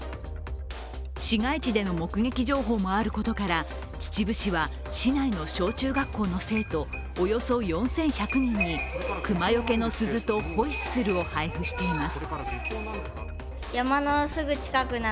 市街地での目撃情報もあることから秩父市では、市内の小中学校の生徒、およそ４１００人に熊よけの鈴とホイッスルを配布しています。